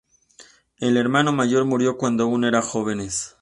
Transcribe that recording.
El hermano mayor murió cuando aún era jóvenes.